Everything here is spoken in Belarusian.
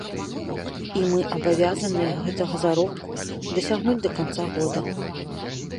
І мы абавязаныя гэтага заробку дасягнуць да канца года.